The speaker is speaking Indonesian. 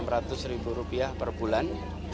rp enam ratus ribu rupiah per bulan